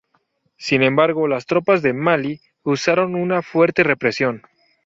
Sin embargo, las tropas de Malí usaron una fuerte represión.